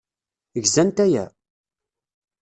Gzant aya?